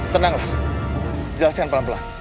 tenanglah jelaskan pelan pelan